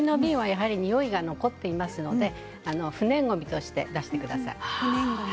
においが残ってますので不燃ごみとして出してください。